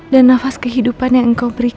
dan nafas kehidupan yang engkau berikan